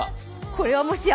これはもしや。